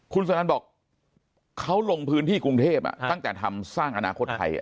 คุณสนันบอกเขาลงพื้นที่กรุงเทพตั้งแต่ทำสร้างอนาคตไทย